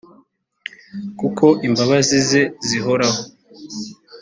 kuko imbabazi ze zihoraho